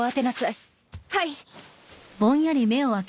はい。